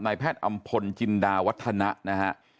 แพทย์อำพลจินดาวัฒนะนะฮะ